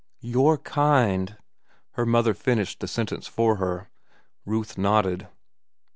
"Your kind." Her mother finished the sentence for her. Ruth nodded.